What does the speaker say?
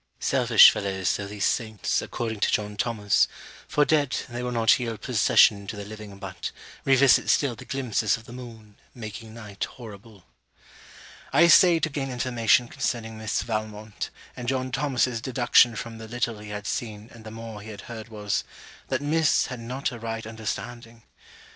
Selfish fellows though these saints, according to John Thomas; for, dead, they will not yield possession to the living, but Revisit still the glimpses of the moon Making night horrible. I essayed to gain information concerning Miss Valmont; and John Thomas's deduction from the little he had seen and the more he had heard was, that Miss had not a right understanding.